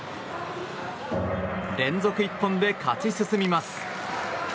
連続一本で勝ち進みます。